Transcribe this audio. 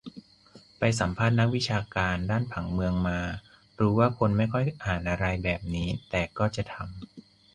ไปสัมภาษณ์นักวิชาการด้านผังเมืองมา รู้ว่าคนไม่ค่อยอ่านอะไรแบบนี้ แต่ก็จะทำ